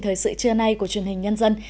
thời sự trưa nay của truyền hình nhân dân